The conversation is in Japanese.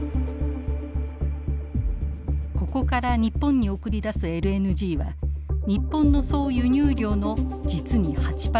ここから日本に送り出すＬＮＧは日本の総輸入量の実に８％。